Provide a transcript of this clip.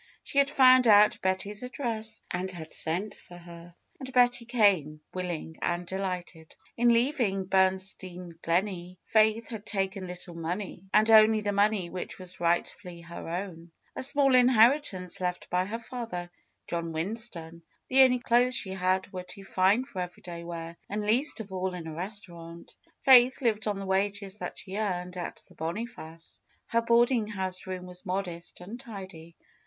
She had found out Betty's address, and had sent for her. And Betty came, willing and delighted. In leav ing Bernstein Gleney, Faith had taken little money, and only the money which was rightfully her own, a small inheritance left by her father, John Winston. The only clothes she had were too fine for every day wear, and least of all in a restaurant. Faith lived on the wages that she earned at the Boniface. Her board ing house room was modest and tidy.